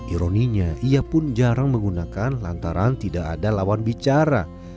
ironinya ia pun jarang menggunakan lantaran tidak ada lawan bicara